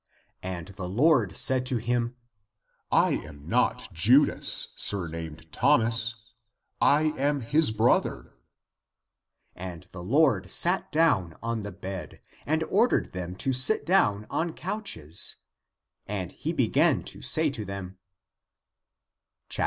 And the Lord said to him, " I am not Judas, sur named Thomas; I am his brother." And the Lord sat down on the bed, and ordered them to sit down on couches, and he began to say to them :• 12.